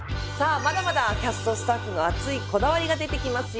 まだまだキャストスタッフの熱いこだわりが出てきますよ。